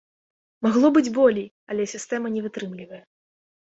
Магло быць болей, але сістэма не вытрымлівае.